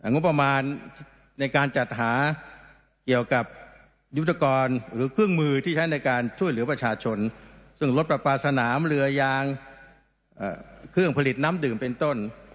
งบประมาณในการจัดหาเกี่ยวกับยุทธกรหรือเครื่องมือที่ใช้ในการช่วยเหลือประชาชนซึ่งรถประปาสนามเรือยางเครื่องผลิตน้ำดื่มเป็นต้น